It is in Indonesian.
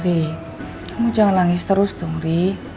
kamu jangan nangis terus dong ri